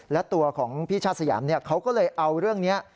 และตัวของพี่ชาติสยามเขาก็เลยเอาเรื่องนี้